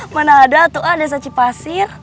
mana ada tuh ah desa cipasir